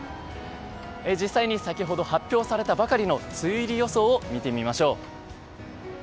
実際に先ほど発表されたばかりの梅雨入り予想を見てみましょう。